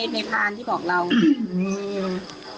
ทำอะไรบ้าง